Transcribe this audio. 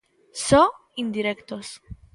Só indirectos.